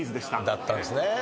だったんですね。